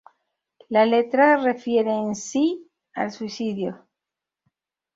La letra refiere en sí, al suicidio.